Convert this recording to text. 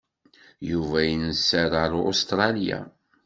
Yuba yenser ar Ustṛalya.